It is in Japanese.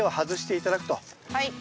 はい。